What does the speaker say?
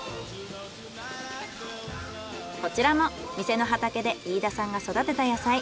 こちらも店の畑で飯田さんが育てた野菜。